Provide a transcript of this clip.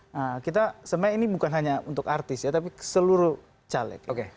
nah kita sebenarnya ini bukan hanya untuk artis ya tapi seluruh caleg